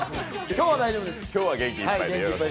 今日は大丈夫です！